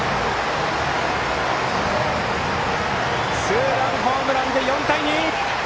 ツーランホームランで４対２！